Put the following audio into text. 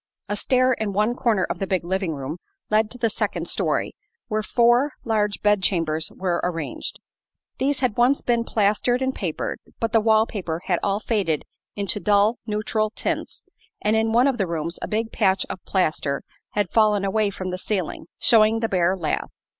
A stair in one corner of the big living room led to the second story, where four large bed chambers were arranged. These had once been plastered and papered, but the wall paper had all faded into dull, neutral tints and in one of the rooms a big patch of plaster had fallen away from the ceiling, showing the bare lath.